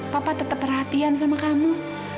papa tetap perhatian sama kamu